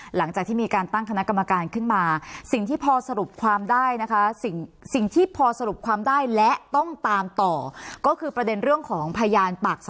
หลังนี้พอสรุปความได้นะคะสิ่งที่พอสรุปความได้และต้องตามต่อก็คือประเด็นเรื่องของพยานปากสรุปคำจาม